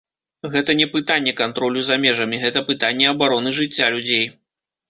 Гэта не пытанне кантролю за межамі, гэта пытанне абароны жыцця людзей.